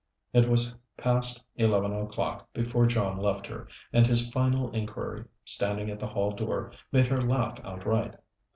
It was past eleven o'clock before John left her, and his final inquiry, standing at the hall door, made her laugh outright.